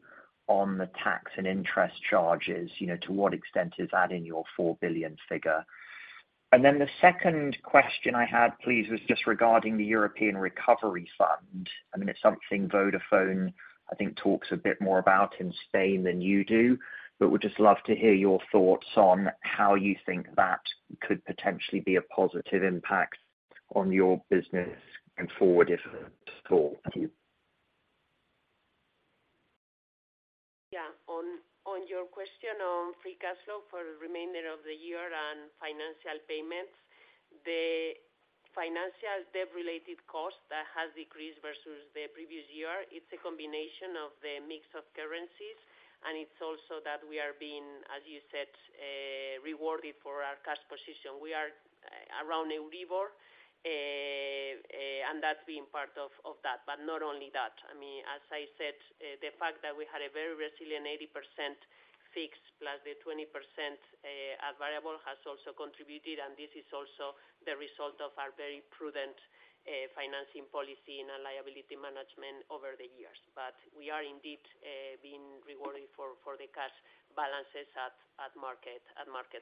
on the tax and interest charges? You know, to what extent is that in your 4 billion figure? The second question I had, please, regarding the European recovery funds. I mean, it's something Vodafone, I think, talks a bit more about in Spain than you do, but would just love to hear your thoughts on how you think that could potentially be a positive impact on your business and forward if at all? Thank you. Yeah. On your question on free cash flow for the remainder of the year and financial payments, the financial debt-related cost that has decreased versus the previous year, it's a combination of the mix of currencies, and it's also that we are being, as you said, rewarded for our cash position. We are around Euribor, and that's been part of that. Not only that, I mean, as I said, the fact that we had a very resilient 80% fixed, plus the 20%, as variable, has also contributed, and this is also the result of our very prudent financing policy and our liability management over the years. We are indeed being rewarded for the cash balances at market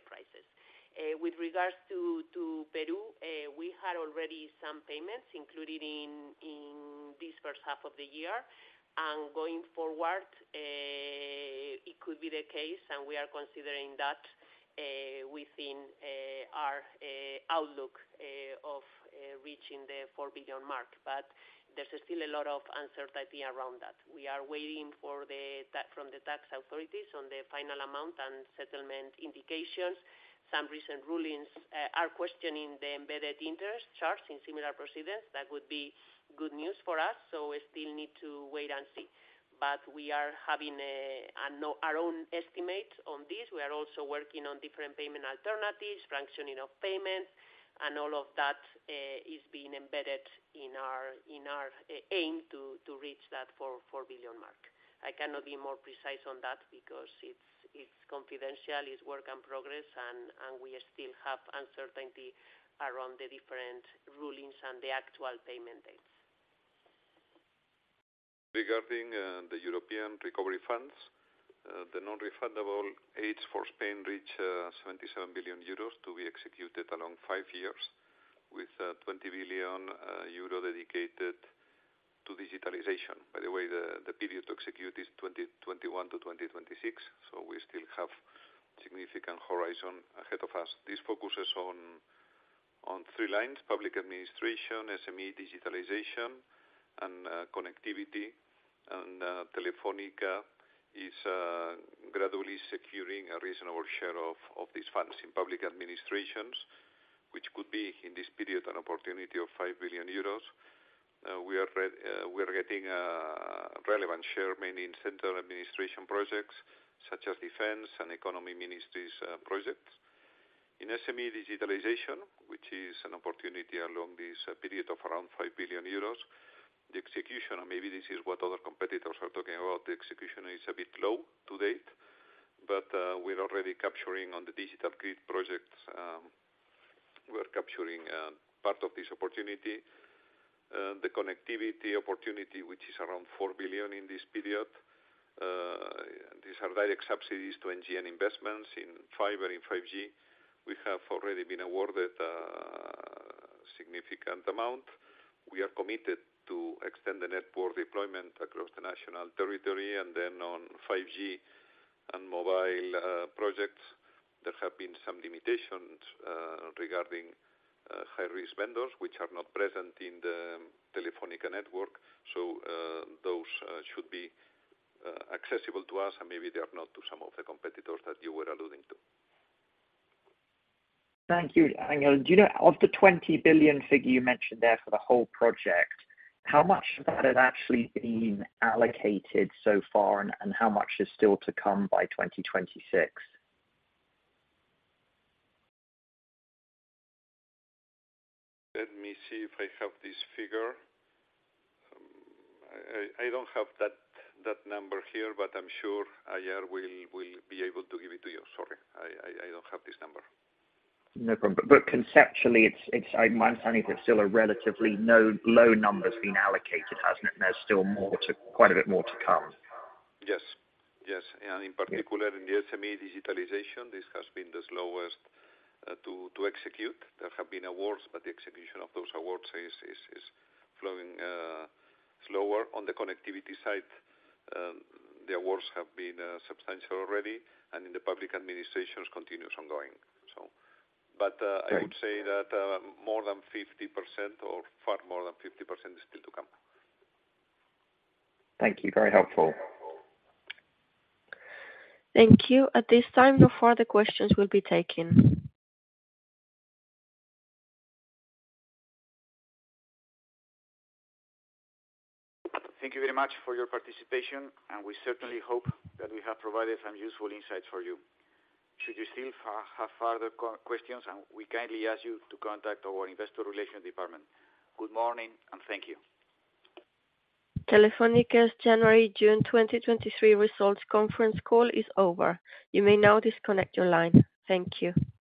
prices. With regards to Peru, we had already some payments included in this first half of the year. Going forward, it could be the case, and we are considering that, within our outlook of reaching the 4 billion mark. There's still a lot of uncertainty around that. We are waiting from the tax authorities on the final amount and settlement indications. Some recent rulings are questioning the embedded interest charged in similar proceedings. That would be good news for us, so we still need to wait and see. We are having our own estimate on this. We are also working on different payment alternatives, fractioning of payments, and all of that is being embedded in our aim to reach that 4 billion mark. I cannot be more precise on that because it's confidential, it's work in progress, and we still have uncertainty around the different rulings and the actual payment dates. Regarding the European recovery funds, the non-refundable aids for Spain reach 77 billion euros to be executed along five years, with 20 billion euro dedicated to digitalization. By the way, the period to execute is 2021-2026. We still have significant horizon ahead of us. This focuses on three lines: public administration, SME digitalization, and connectivity. Telefónica is gradually securing a reasonable share of these funds. In public administrations, which could be, in this period, an opportunity of 5 billion euros, we are getting relevant share, mainly in central administration projects, such as defense and economy ministries projects. In SME digitalization, which is an opportunity along this period of around 5 billion euros, the execution, or maybe this is what other competitors are talking about, the execution is a bit low to date. We're already capturing on the digital grid projects, we are capturing part of this opportunity. The connectivity opportunity, which is around 4 billion in this period, these are direct subsidies to NGN investments in Fiber and in 5G. We have already been awarded significant amount. We are committed to extend the network deployment across the national territory. On 5G and mobile projects, there have been some limitations regarding high-risk vendors, which are not present in the Telefónica network. Those should be accessible to us, and maybe they are not to some of the competitors that you were alluding to. Thank you, Angelo. Do you know, of the 20 billion figure you mentioned there for the whole project, how much of that has actually been allocated so far, and how much is still to come by 2026? Let me see if I have this figure. I don't have that number here, but I'm sure IR will be able to give it to you. Sorry, I don't have this number. No problem. Conceptually, I'm understanding there's still a relatively low number that's been allocated, hasn't it? There's still more, quite a bit more to come. Yes. Yes. Yeah — in the SME digitalization, this has been the slowest to execute. There have been awards, but the execution of those awards is flowing slower. On the connectivity side, the awards have been substantial already, and in the public administrations continues ongoing. Thank- I would say that, more than 50%, or far more than 50%, is still to come. Thank you. Very helpful. Thank you. At this time, no further questions will be taken. Thank you very much for your participation, and we certainly hope that we have provided some useful insights for you. Should you still have further questions, we kindly ask you to contact our investor relations department. Good morning, and thank you. Telefónica's January-June 2023 Results Conference Call is over. You may now disconnect your line. Thank you.